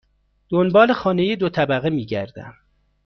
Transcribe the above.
دنبال خانه دو طبقه می گردم.